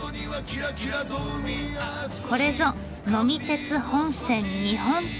これぞ「呑み鉄本線・日本旅」！